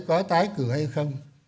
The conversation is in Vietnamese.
có tái cửa hay không